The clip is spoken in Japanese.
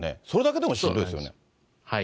それだけでもしんどいですよね。